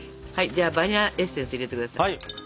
じゃあバニラエッセンス入れて下さい。